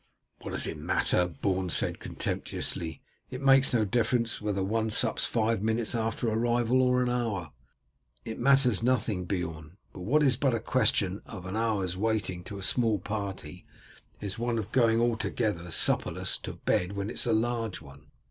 "What does it matter?" Beorn said contemptuously. "It makes no difference whether one sups five minutes after arrival or an hour." "It matters nothing, Beorn; but what is but a question of an hour's waiting in a small party is one of going altogether supperless to bed when it is a large one.